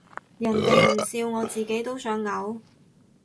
人哋唔笑我自己都想嘔